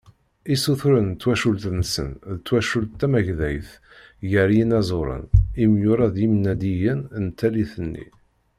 Isuturen n twaculin-nsen d twacult tamagdayt gar yinaẓuren, imyura d yimnadiyen n tallit-nni.